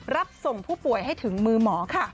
รับส่งผู้ป่วยให้ถึงมือหมอค่ะ